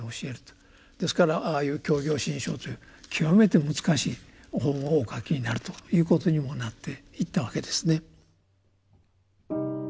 ですからああいう「教行信証」という極めて難しい本をお書きになるということにもなっていったわけですね。